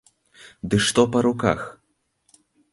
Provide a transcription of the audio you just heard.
Ды што па руках?